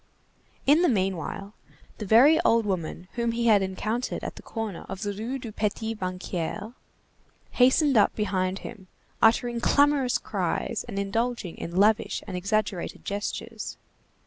In the meanwhile, the very old woman whom he had encountered at the corner of the Rue du Petit Banquier hastened up behind him, uttering clamorous cries and indulging in lavish and exaggerated gestures.